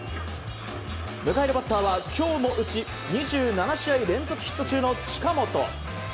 迎えるバッターは今日も打ち２７試合連続ヒット中の近本。